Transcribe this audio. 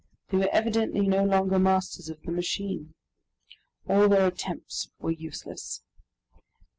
They were evidently no longer masters of the machine. All their attempts were useless.